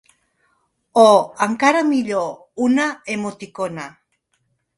O, encara millor, una emoticona!